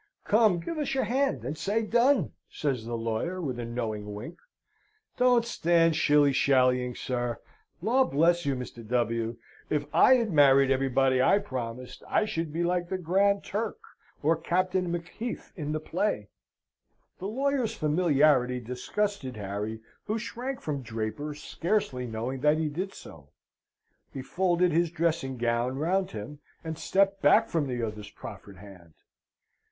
"Come! give us your hand, and say done!" says the lawyer, with a knowing wink. "Don't stand shilly shallying, sir. Law bless you, Mr. W., if I had married everybody I promised, I should be like the Grand Turk, or Captain Macheath in the play!" The lawyer's familiarity disgusted Harry, who shrank from Draper, scarcely knowing that he did so. He folded his dressing gown round him, and stepped back from the other's proffered hand.